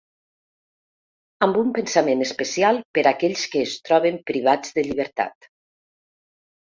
Amb un pensament especial per aquells que es troben privats de llibertat.